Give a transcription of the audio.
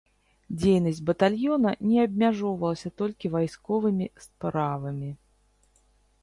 Дзейнасць батальёна не абмяжоўвалася толькі вайсковымі справамі.